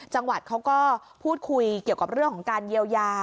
จังหวัดเขาก็พูดคุยเกี่ยวกับเรื่องของการเยียวยา